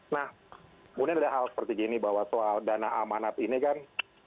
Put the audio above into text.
nah kemudian ada hal seperti gini bahwa soal dana amanat ini kan